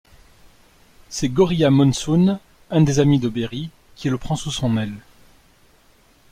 C'est Gorrilla Monsoon, un des amis de Berry, qui le prend sous son aile.